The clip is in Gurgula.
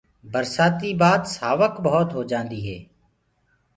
برسآتيٚ بآ سآوڪ ڀوت هوجآندي هي۔